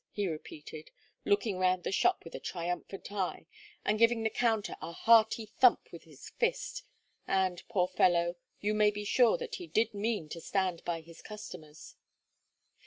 he repeated, looking round the shop with a triumphant eye, and giving the counter a hearty thump with his fist; and, poor fellow, you may be sure that he did mean to stand by his customers.